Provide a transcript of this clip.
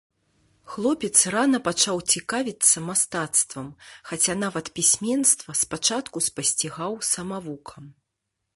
Хлопец рана пачаў цікавіцца мастацтвам, хаця нават пісьменства спачатку спасцігаў самавукам.